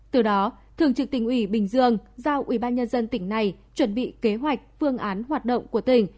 từ đó thường trực tỉnh ủy bình dương giao ubnd tỉnh này chuẩn bị kế hoạch phương án hoạt động của tỉnh